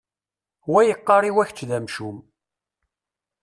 Wa yeqqar i wa kečč d amcum.